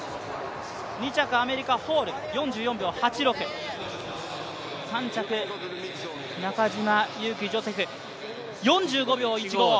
２着アメリカ・ホール４４秒８６３着、中島佑気ジョセフ、４５秒１５！